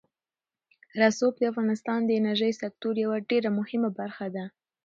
رسوب د افغانستان د انرژۍ سکتور یوه ډېره مهمه برخه ده.